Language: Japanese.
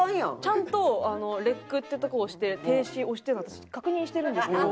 ちゃんとＲＥＣってとこ押して停止押してたの確認してるんですけど。